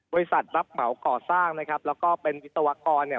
รับเหมาก่อสร้างนะครับแล้วก็เป็นวิศวกรเนี่ย